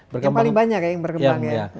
yang paling banyak ya yang berkembang ya